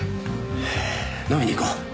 飲みに行こう。